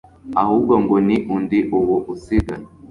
ahubwo ngo ni undi ubu usigaye